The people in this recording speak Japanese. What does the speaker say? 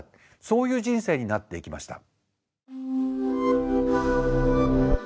そういう人生になっていきました。